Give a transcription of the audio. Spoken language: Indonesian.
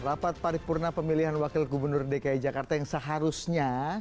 rapat paripurna pemilihan wakil gubernur dki jakarta yang seharusnya